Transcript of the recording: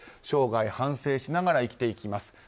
生涯、反省しながら生きていきます。